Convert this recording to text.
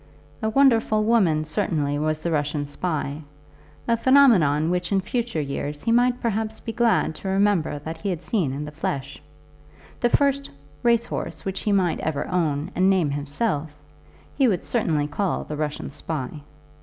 A wonderful woman certainly was the Russian spy, a phenomenon which in future years he might perhaps be glad to remember that he had seen in the flesh. The first race horse which he might ever own and name himself he would certainly call the Russian spy.